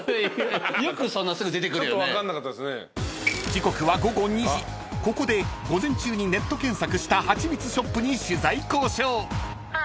［時刻は午後２時ここで午前中にネット検索した蜂蜜ショップに取材交渉］